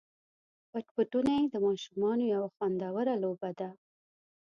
پټ پټوني د ماشومانو یوه خوندوره لوبه ده.